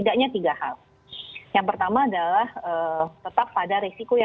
karena penyelamat atau northern saya wagah saya hawa hawa karena seharusnya